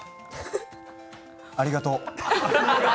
ありがとう。